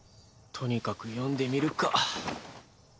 とにかく読んでみるか。